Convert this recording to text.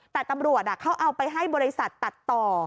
แต่ตำรวจเขาเอาไปให้บริษัทตัดต่อ